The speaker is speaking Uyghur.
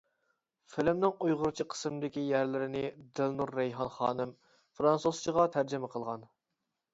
فىلىمنىڭ ئۇيغۇرچە قىسمىدىكى يەرلىرىنى دىلنۇر رەيھان خانىم فىرانسۇزچىغا تەرجىمە قىلغان.